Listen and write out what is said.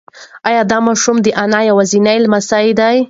ایا دا ماشوم د انا یوازینی لمسی دی؟